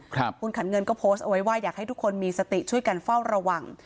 คุณขันเงินก็โพสต์เอาไว้ว่าอยากให้ทุกคนมีสติช่วยกันเฝ้าระวัง